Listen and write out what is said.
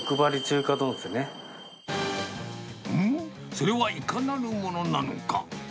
それはいかなるものなのか。